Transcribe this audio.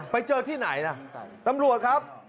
ไปเจอที่ไหนล่ะตำรวจครับ